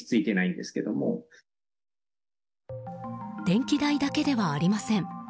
電気代だけではありません。